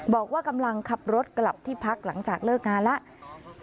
บอกว่ากำลังขับรถกลับที่พักหลังจากเลิกงานแล้ว